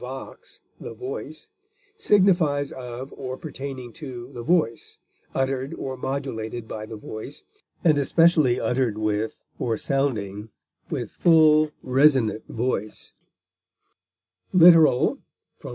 vox, the voice) signifies of or pertaining to the voice, uttered or modulated by the voice, and especially uttered with or sounding with full, resonant voice; literal (L.